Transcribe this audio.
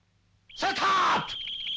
セターップ！